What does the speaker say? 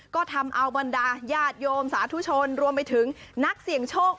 ก็ทำเอาบรรดาญาติโยมสาธุชนรวมไปถึงนักเสี่ยงโชค